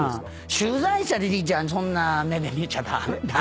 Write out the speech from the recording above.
取材凛ちゃんそんな目で見ちゃ駄目よ。